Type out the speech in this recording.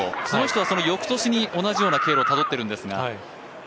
その人は翌年に同じような経路をたどってるんですが。